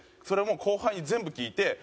それも後輩に全部聞いて。